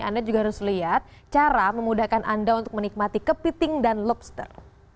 anda juga harus lihat cara memudahkan anda untuk menikmati kepiting dan lobster